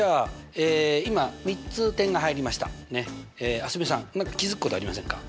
蒼澄さん何か気付くことありませんか？